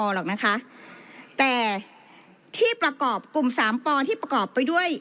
หรอกนะคะแต่ที่ประกอบกลุ่มสามปอที่ประกอบไปด้วย